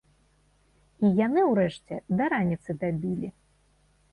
І яны ўрэшце да раніцы дабілі.